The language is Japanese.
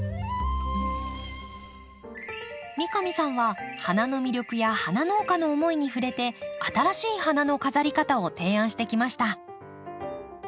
三上さんは花の魅力や花農家の思いに触れて新しい花の飾り方を提案してきました。